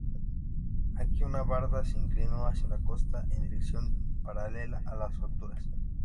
Aquí una barda se inclinó hacia la costa, en dirección paralela a las fracturas.